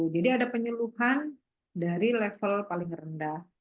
jadi ada penyeluhan dari level paling rendah